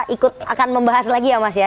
ikut akan membahas lagi ya mas ya